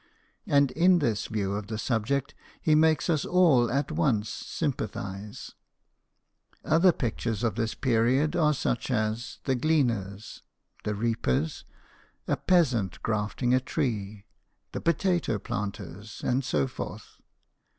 And in this view of the subject he makes us all at once sympathize. Other pictures of this period are such as " The JEAN FRANQOIS MILLET, PAINTER. 131 Gleaners," "The Reapers," "A Peasant grafting a Tree," " The Potato Planters," and so forth.